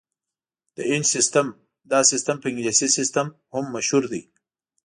ب - د انچ سیسټم: دا سیسټم په انګلیسي سیسټم هم مشهور دی.